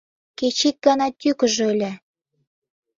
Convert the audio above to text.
Кеч ик гана тӱкыжӧ ыле...